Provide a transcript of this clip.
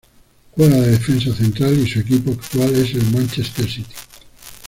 Juega de defensa central y su equipo actual es el Manchester City.